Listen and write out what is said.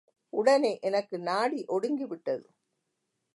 உடனே எனக்கு நாடி ஒடுங்கிவிட்டது.